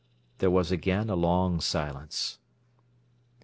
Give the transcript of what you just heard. There was again a long silence.